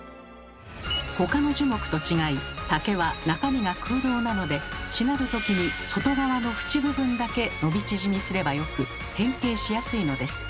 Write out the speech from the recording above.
他の樹木と違い竹は中身が空洞なのでしなる時に外側の縁部分だけ伸び縮みすればよく変形しやすいのです。